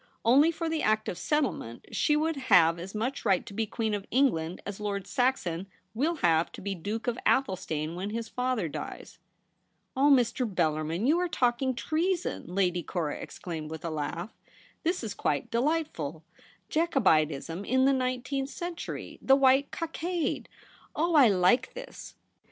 Only for the Act of Settlement, she would have as much right to be Queen of England as Lord Saxon will have to be Duke of Athelstane when his father dies.' ' Oh, Mr. Bellarmin; you are talking treason,' Lady Cora exclaimed, with a laugh. ' This is quite delightful ; Jacobitism in the nineteenth century— the White Cockade ! Oh, I like this